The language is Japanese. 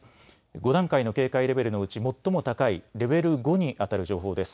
５段階の警戒レベルのうち最も高いレベル５にあたる情報です。